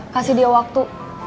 kasih dia waktu